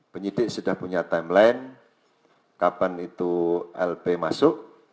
penyidik sudah punya timeline kapan itu lp masuk